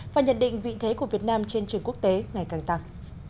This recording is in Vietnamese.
và nhận định vị thế của việt nam trên trường quốc tế ngày càng tăng